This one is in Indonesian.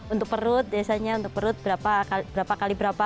untuk perut biasanya untuk perut berapa kali berapa